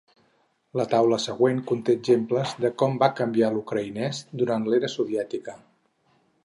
La taula següent conté exemples de com va canviar l'ucraïnès durant l'era soviètica.